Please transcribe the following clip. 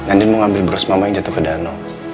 andien mau ngambil bros mama yang jatuh ke danau